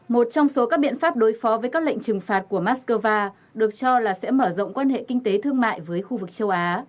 một trong số các biện pháp đối phó với các lệnh trừng phạt của moscow được cho là sẽ mở rộng quan hệ kinh tế thương mại với khu vực châu á